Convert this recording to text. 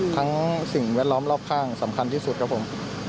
สิ่งแวดล้อมรอบข้างสำคัญที่สุดครับผม